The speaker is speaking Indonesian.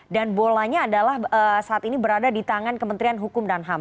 dan bolanya adalah saat ini berada di tangan kementerian hukum dan ham